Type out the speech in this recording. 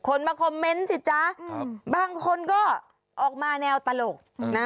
มาคอมเมนต์สิจ๊ะบางคนก็ออกมาแนวตลกนะ